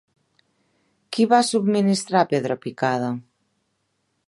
Qui va subministrar pedra picada?